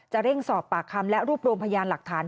เร่งสอบปากคำและรวบรวมพยานหลักฐาน